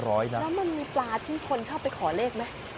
แล้วมันมีปลาที่คนชอบไปขอเลขไหม